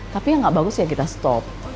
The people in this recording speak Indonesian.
tapi yang gak bagus ya kita stop